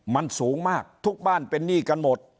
มันสูงมากทุกบ้านเป็นหนี้กันหมด